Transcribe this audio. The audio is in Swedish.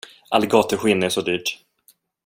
Alligatorskinn är så dyrt.